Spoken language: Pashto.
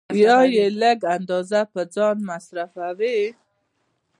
یا یې لږ اندازه په ځان مصرفوي